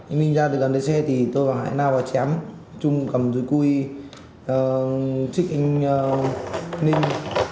anh ninh ra từ gần đế xe thì tôi và hải lao và chém chung cầm dưới quy xích anh ninh